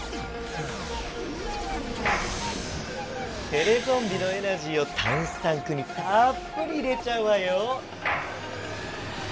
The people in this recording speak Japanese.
テレゾンビのエナジーをタンスタンクにたっぷり入れちゃうわよ。